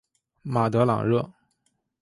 马德朗热。